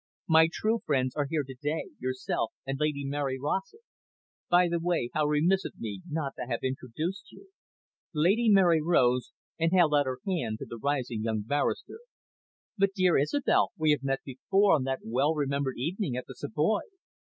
My true friends are here to day, yourself, and Lady Mary Rossett. By the way, how remiss of me not to have introduced you." Lady Mary rose, and held out her hand to the rising young barrister. "But, dear Isobel, we have met before, on that well remembered evening at the Savoy.